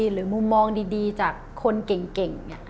หรือมุมมองดีจากคนเก่ง